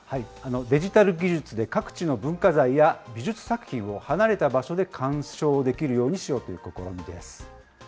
デジタル技術で各地の文化財や美術作品を離れた場所で鑑賞できるようにしようという試みです。